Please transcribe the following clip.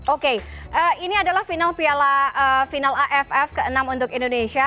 oke ini adalah final aff ke enam untuk indonesia